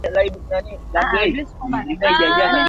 Sweke alisema tayari mamlaka kupitia Serikali kuu imefanya mapitio